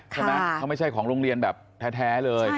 เขาไม่ใช่ของโรงเรียนแบบแท้เลย